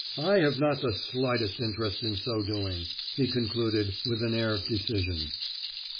I have not the slightest interest in so doing," he concluded, with an air of decision.